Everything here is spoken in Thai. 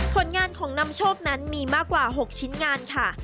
ผลงานของนำโชคนั้นมีมากกว่า๖ชิ้นงานค่ะ